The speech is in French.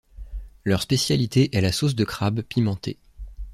Leur spécialité est la sauce de crabe pimentée.